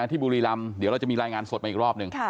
ที่บุรีรำเดี๋ยวเราจะมีรายงานสดมาอีกรอบหนึ่ง